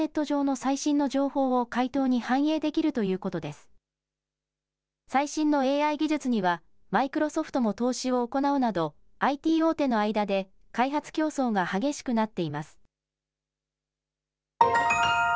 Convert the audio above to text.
最新のＡＩ技術にはマイクロソフトも投資を行うなどＩＴ大手の間で開発競争が激しくなっています。